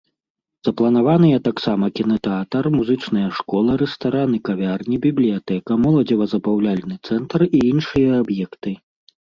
Запланаваныя таксама кінатэатр, музычная школа, рэстаран і кавярні, бібліятэка, моладзева-забаўляльны цэнтр і іншыя аб'екты.